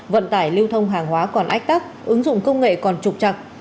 vận tải lưu thông hàng hóa còn ách tắc ứng dụng công nghệ còn trục chặt